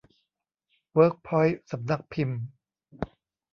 เวิร์คพอยท์สำนักพิมพ์